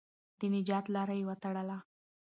د نجات لاره یې وتړله.